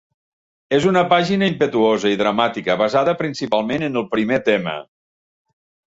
És una pàgina impetuosa i dramàtica, basada principalment en el primer tema.